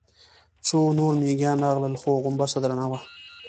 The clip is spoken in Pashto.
څو نور مېږيان راغلل، خو غومبسه درنه وه.